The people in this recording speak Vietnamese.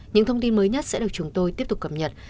những thông tin mới nhất sẽ được chúng tôi tiếp tục cập nhật